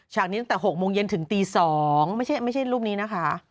ฉากนี้ตั้งแต่หกโมงเย็นถึงตีสองไม่ใช่ไม่ใช่รูปนี้นะคะ